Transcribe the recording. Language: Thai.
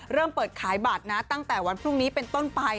เริ่มเปิดขายบัตรนะตั้งแต่วันพรุ่งนี้เป็นต้นไป